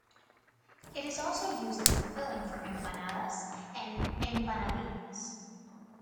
It is also used as the filling for empanadas and "empanadillas".